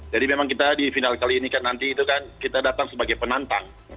jadi memang kita di final kali ini kan nanti itu kan kita datang sebagai penantang